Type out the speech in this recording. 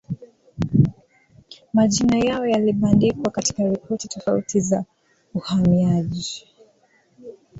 majina yao yalibandikwa katika ripoti tofauti za uhamiaji